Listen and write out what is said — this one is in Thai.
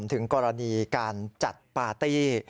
ถึงกรณีการจัดปาร์ตี้